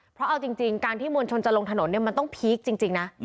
เพราะเอาจริงการที่มวลชนจะลงถนนเนี่ยมันต้องพีคจริงนะ